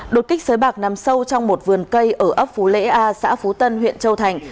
đột kích sới bạc nằm sâu trong một vườn cây ở ấp phú lễ a xã phú tân huyện châu thành